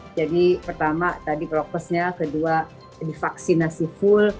jadi pertama tadi prokesnya kedua divaksinasi full